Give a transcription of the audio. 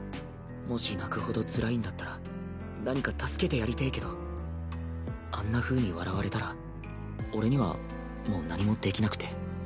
もし泣くほどつらいんだったら何か助けてやりてぇけどあんなふうに笑われたら俺にはもう何もできなくて。